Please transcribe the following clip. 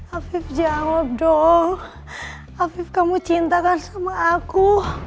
afif jawab dong afif kamu cintakan sama aku